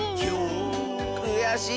くやしい！